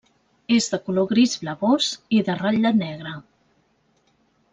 És de color gris blavós i de ratlla negra.